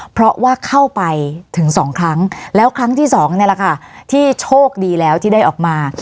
เพราะว่าเข้าไปถึงสองครั้งแล้วครั้งที่สองเนี่ยแหละค่ะที่โชคดีแล้วที่ได้ออกมา